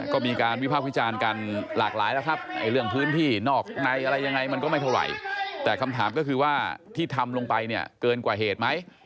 ก็มีการวิภาควิจารณ์กันหลากหลายแล้วครับไอ้เรื่องพื้นที่นอกในอะไรยังไงมันก็ไม่เท่าไหร่แต่คำถามก็คือว่าที่ทำลงไปเนี่ยเกินกว่าเหตุไหม